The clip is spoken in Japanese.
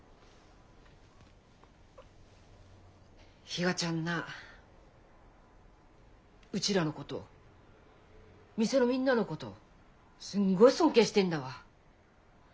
比嘉ちゃんなうちらのこと店のみんなのことすんごい尊敬してんだわ。